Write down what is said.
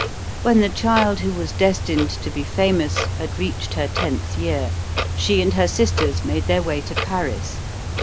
When the child who was destined to be famous had reached her tenth year she and her sisters made their way to Paris.